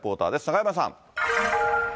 中山さん。